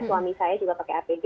suami saya juga pakai apd